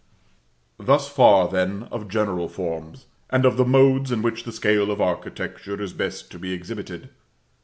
Thus far, then, of general forms, and of the modes in which the scale of architecture is best to be exhibited.